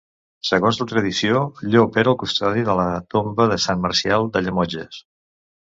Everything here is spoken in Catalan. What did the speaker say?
Segons la tradició, Llop era el custodi de la tomba de Sant Marcial de Llemotges.